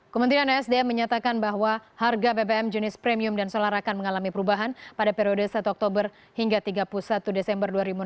kementerian esdm menyatakan bahwa harga bbm jenis premium dan solar akan mengalami perubahan pada periode satu oktober hingga tiga puluh satu desember dua ribu enam belas